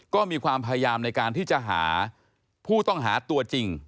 ก็มีความพยายามในการที่จะหาผู้ต้องหาตัวจริง